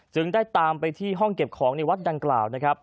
จึงได้ตามไปที่ห้องเก็บของในวัดดังกล่าวนะครับ